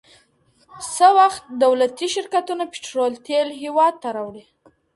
څه وخت دولتي شرکتونه پټرول تیل هیواد ته راوړي؟